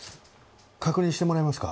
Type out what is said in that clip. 確認してもらえますか？